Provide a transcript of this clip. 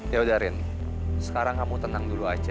ya udah rin sekarang kamu tenang dulu aja